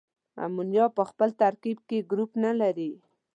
امونیا په خپل ترکیب کې ګروپ نلري.